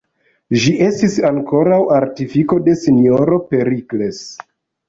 Ĝi estis ankoraŭ artifiko de S-ro Perikles.